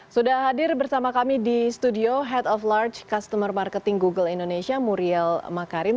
sudah hadir bersama kami di studio head of large customer marketing google indonesia muriel makarim